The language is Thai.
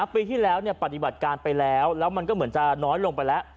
ปีที่แล้วปฏิบัติการไปแล้วแล้วมันก็เหมือนจะน้อยลงไปแล้ว